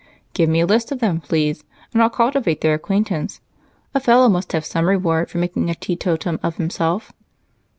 "Give me a list of them, please, and I'll cultivate their acquaintance. A fellow must have some reward for making a teetotum of himself."